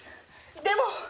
でも。